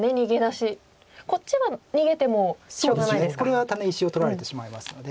これはタネ石を取られてしまいますので。